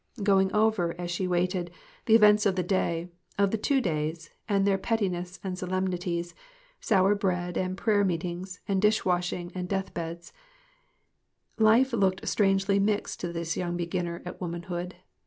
Going over, as she waited, the events of the day, of the two days, and their petti ness and solemnities, sour bread, and prayer meet ings, and dish washing, and death beds, life looked strangely mixed to this young beginner at woman hood.